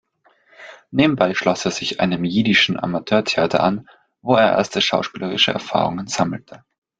Nebenbei schloss er sich einem jiddischen Amateurtheater an, wo er erste schauspielerische Erfahrungen sammelte.